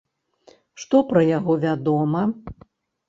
Што пра яго вядома?